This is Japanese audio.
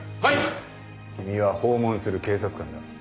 君は訪問する警察官だ。